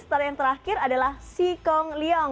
dan yang terakhir adalah si kong leong